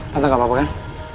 tante gak apa apa kan